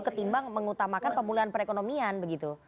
ketimbang mengutamakan pemulihan perekonomian begitu